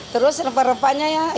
terus rempah rempahnya ya